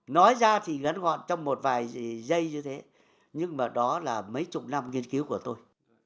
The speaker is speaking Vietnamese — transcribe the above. nói ra thì ngắn gọn trong một vài giây như thế nhưng mà đó là mấy chục năm nghiên cứu của tôi